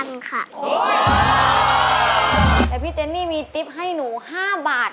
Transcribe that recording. แต่พี่เจนนี่มีติ๊บให้หนู๕บาท